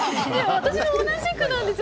私も同じくなんですよ。